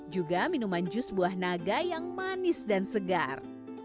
juga minuman jus buah naga yang manis dan segar